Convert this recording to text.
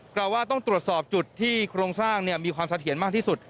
เราว่าต้องตรวจสอบจุดที่โครงสร้างมีความเสถียรมากที่สุด